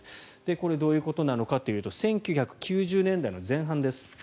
これどういうことなのかというと１９９０年代前半です